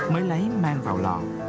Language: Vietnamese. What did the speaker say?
mới lấy mang vào lò